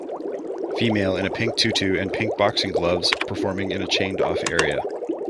Female in a pink tutu and pink boxing gloves performing in a chained off area.